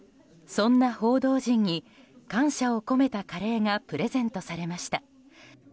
そんな報道陣に感謝を込めたカレーがプレゼントされました。